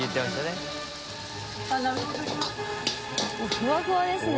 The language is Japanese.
ふわふわですね。